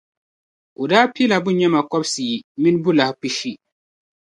O daa piila bunyama kɔbisiyi mini bulahi pishi.